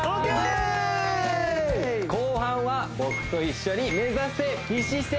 後半は僕と一緒に目指せ美姿勢！